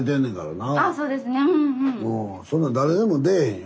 そんなん誰でも出えへんよ。